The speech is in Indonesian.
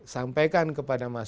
sampaikan kepada masyarakat